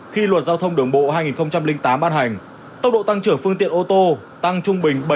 khi luật giao thông đường bộ hai nghìn tám ban hành tốc độ tăng trưởng phương tiện ô tô tăng trung bình bảy